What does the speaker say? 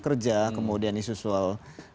kerja kemudian isu soal